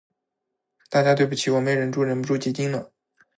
大家对不起，我没出息，忍不住结晶了